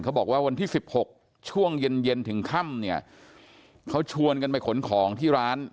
บอกว่าวันที่สิบหกช่วงเย็นเย็นถึงค่ำเนี่ยเขาชวนกันไปขนของที่ร้าน